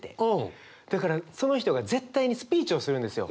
だからその人が絶対にスピーチをするんですよ。